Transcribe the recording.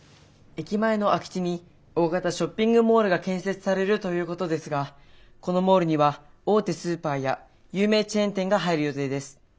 駅前の空き地に大型ショッピングモールが建設されるということですがこのモールには大手スーパーや有名チェーン店が入る予定です。